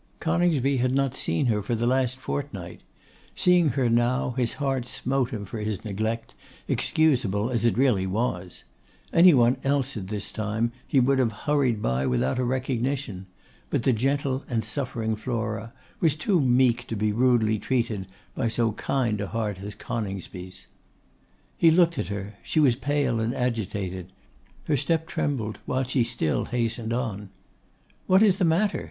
Coningsby had not seen her for the last fortnight. Seeing her now, his heart smote him for his neglect, excusable as it really was. Any one else at this time he would have hurried by without a recognition, but the gentle and suffering Flora was too meek to be rudely treated by so kind a heart as Coningsby's. He looked at her; she was pale and agitated. Her step trembled, while she still hastened on. 'What is the matter?